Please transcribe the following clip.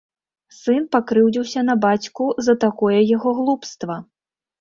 Сын пакрыўдзіўся на бацьку за такое яго глупства.